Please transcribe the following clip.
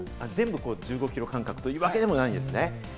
全部１５キロ間隔というわけでもないんですね。